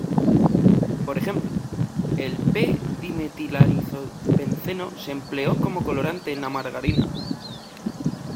Por ejemplo, el p-dimetilaminoazobenceno se empleó como colorante en la margarina.